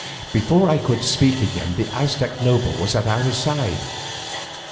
Before I could speak again the Aztec noble was at our side.